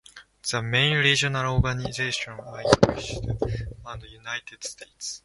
The main regional organisations are in England and the United States.